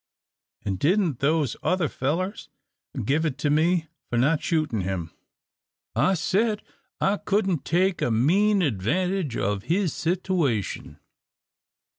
An' didn't those other fellers give it to me for not shootin' him! I said I couldn't take a mean advantage of his sitooation."